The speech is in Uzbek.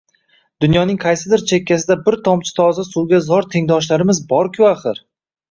Dunyoning qaysidir chekkasida bir tomchi toza suvga zor tengdoshlarimiz borku, axir